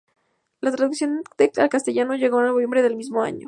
La traducción al castellano llegó en noviembre del mismo año.